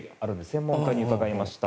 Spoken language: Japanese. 専門家に伺いました。